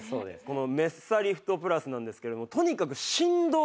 このメッサリフトプラスなんですけれども。